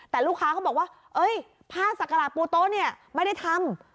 แต่ลูกค้าเขาบอกว่าผ้าสักกระหลาดปูโต๊ะเนี่ยไม่ได้ทำ